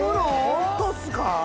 ホントっすか？